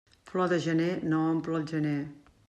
Flor de gener no omple el gener.